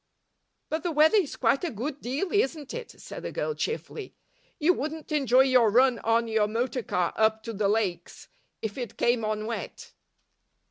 "But the weather is quite a good deal, isn't it?" said the girl, cheerfully. "You wouldn't enjoy your run on your motor car up to the Lakes if it came on wet."